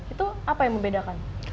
itu apa yang membedakan